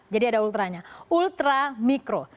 jadi ada ultranya ultramikro